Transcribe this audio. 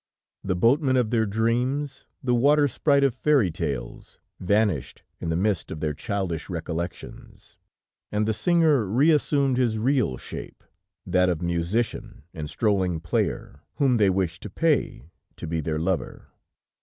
The boatman of their dreams, the water sprite of fairy tales, vanished in the mist of their childish recollections, and the singer re assumed his real shape, that of musician and strolling player, whom they wished to pay, to be their lover.